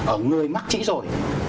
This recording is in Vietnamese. ở người mắc trĩ rồi